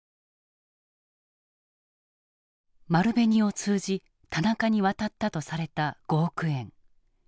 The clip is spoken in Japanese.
丸紅を通じ田中に渡ったとされた５億円。